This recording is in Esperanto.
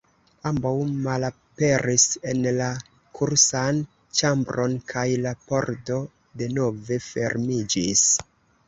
Ambaŭ malaperis en la kursan ĉambron kaj la pordo denove fermiĝis.